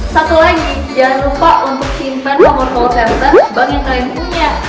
satu lagi jangan lupa untuk simpan nomor call center bank yang kalian punya